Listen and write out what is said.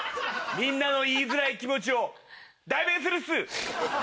みんなの言いづらい気持ちを代弁するっす。